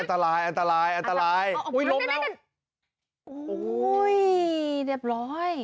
อันตรายอันตรายอันตรายโอ้โหโอ้ยเด็บร้อย